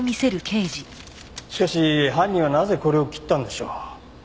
しかし犯人はなぜこれを切ったんでしょう？